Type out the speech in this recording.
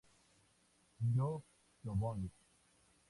Yo-Yo Boing!